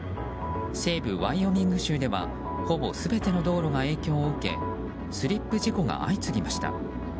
西部ワイオミング州ではほぼ全ての道路が影響を受けスリップ事故が相次ぎました。